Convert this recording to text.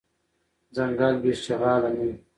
ځنګل بی شغاله نه وي .